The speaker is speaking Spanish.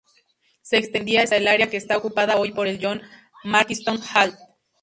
Se extendía hasta el área que está ocupada hoy por el John Mackintosh Hall.